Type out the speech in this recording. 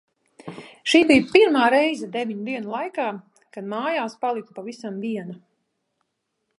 Šī bija pirmā reize deviņu dienu laikā, kad mājās paliku pavisam viena.